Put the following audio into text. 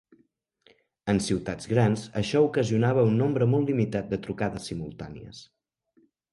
En ciutats grans això ocasionava un nombre molt limitat de trucades simultànies.